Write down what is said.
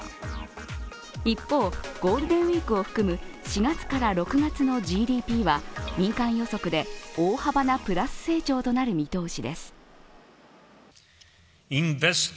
一方、ゴールデンウイークを含む４月から６月のＧＤＰは民間予測で大幅なプラス成長となる見通しです。